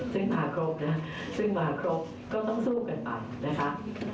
ซึ่งมาครบนะซึ่งมาครบก็ต้องสู้กันไปนะคะ